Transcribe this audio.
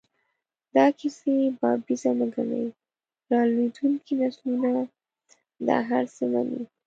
دا کیسې بابیزه مه ګڼئ، را لویېدونکي نسلونه دا هر څه مني.